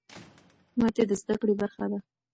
ماتې د زده کړې برخه ده.